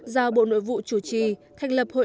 giao bộ nội vụ chủ trì